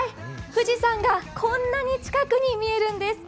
富士山がこんなに近くに見えるんです。